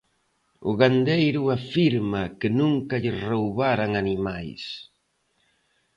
O gandeiro afirma que nunca lle roubaran animais.